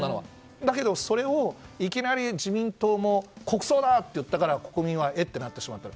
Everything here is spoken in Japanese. だけど、それをいきなり自民党が国葬だと言ったから国民はえ？ってなってしまった。